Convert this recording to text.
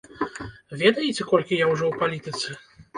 Ведаеце, колькі я ўжо ў палітыцы?!